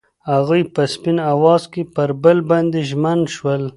هغوی په سپین اواز کې پر بل باندې ژمن شول.